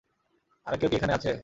আর কেউ কি এখানে আছে?